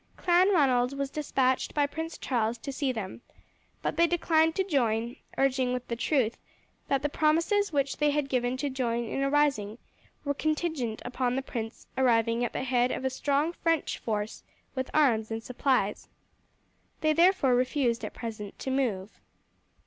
Clanranald was despatched by Prince Charles to see them, but they declined to join, urging with the truth that the promises which they had given to join in a rising were contingent upon the prince arriving at the head of a strong French force with arms and supplies. They therefore refused at present to move.